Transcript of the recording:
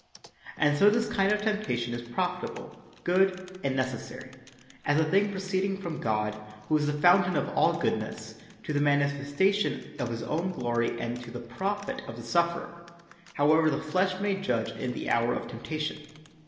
And so this kind of temptation is profitable, good, and necessary, as a thing proceeding from God, who is the fountain of all goodness, to the manifestation of his own glory and to the profit of the sufferer, however the flesh may judge in the hour of temptation.